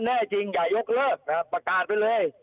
แน่จริงอย่ายกเลิกนะครับประกาศไปเลย